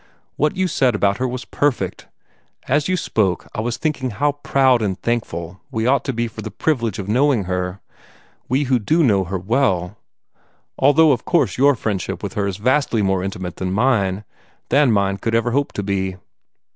What you said about her was perfect. As you spoke, I was thinking how proud and thankful we ought to be for the privilege of knowing her we who do know her well although of course your friendship with her is vastly more intimate than mine than mine could ever hope to be."